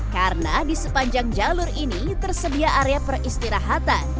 karena di sepanjang jalur ini tersedia area peristirahatan